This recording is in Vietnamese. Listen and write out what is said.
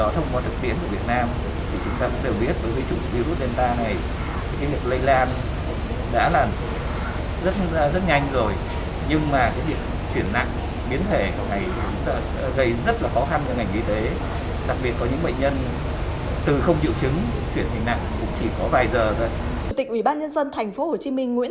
không thể để người dân tự ra ngoài nhận trực tiếp